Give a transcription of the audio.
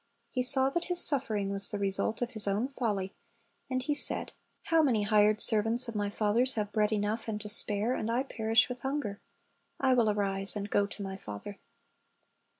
He saw that his suffering was the result of his own folly, and he said, "How many hired servants of my father's have bread enough and to spare, and I perish with hunger! I will arise and go to my father."